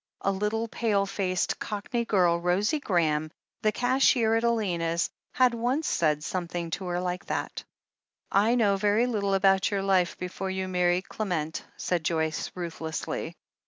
A little pale faced, Cockney girl, Rosie Graham, the cashier at Elena's, had once said something to her like that. "I know very little about your life before you mar ried Clement," said Joyce ruthlessly.